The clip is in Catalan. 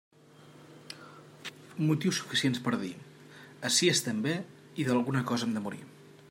Motius suficients per a dir: ací estem bé i d'alguna cosa hem de morir.